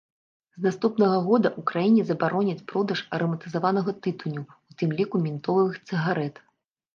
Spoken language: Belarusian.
З наступнага года ў краіне забароняць продаж араматызаванага тытуню, у тым ліку ментолавых цыгарэт.